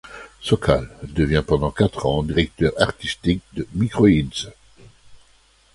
Sokal devient pendant quatre ans directeur artistique de Microïds.